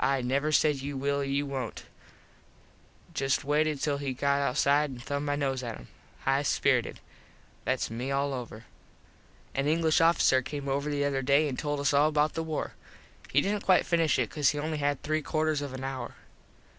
I never said you will or you wont. Just waited till he got outside an thumbed my nose at him. High spirited. Thats me all over. An English officer came over the other day an told us all about the war. He didnt quite finish it cause he only had three quarters of an hour.